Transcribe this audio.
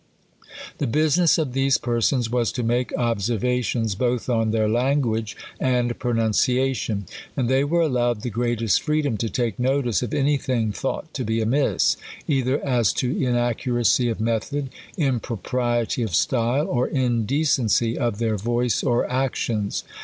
^ The business of these persons was to make observa tions both on their language and pronunciation. And they were allowed the greatest freedom to take notice of any thing thought to be amiss, either as to inaccuracy of method, impropriety of stvle, or indecency of their voice or actions.